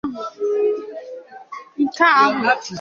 Nke ahụ